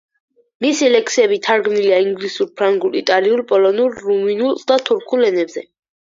მისი ლექსები თარგმნილია ინგლისურ, ფრანგულ, იტალიურ, პოლონურ, რუმინულ და თურქულ ენებზე.